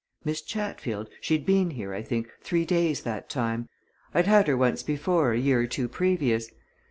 "Miss Chatfield, she'd been here, I think, three days that time I'd had her once before a year or two previous.